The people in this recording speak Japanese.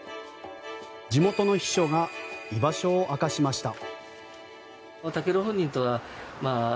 地元の秘書が居場所を明かしました。